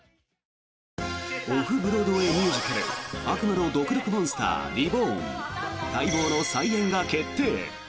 オフ・ブロードウェー・ミュージカル「悪魔の毒毒モンスターＲＥＢＯＲＮ」待望の再演が決定！